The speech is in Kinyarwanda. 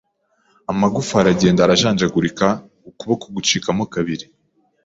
amagufwa aragenda arajanjagurika ukuboko gucikamo kabiri